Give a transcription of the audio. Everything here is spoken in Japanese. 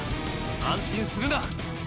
安心するな！！